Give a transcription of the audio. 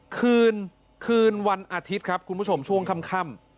คืนคืนวันอาทิตย์ครับคุณผู้ชมช่วงค่ำ